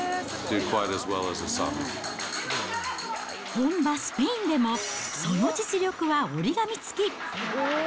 本場スペインでも、その実力は折り紙付き。